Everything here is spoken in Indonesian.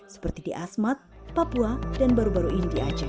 seperti di asmat papua dan baru baru ini di aceh